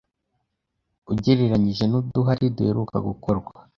ugereranyije n’uduhari duheruka gukorwa